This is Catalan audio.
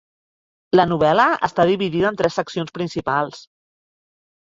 La novel·la està dividida en tres seccions principals.